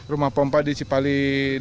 rumah pompa di cipali